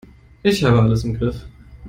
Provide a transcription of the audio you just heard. Ich habe alles im Griff.